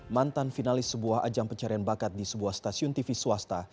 mantan finalis sebuah ajang pencarian bakat di sebuah stasiun tv swasta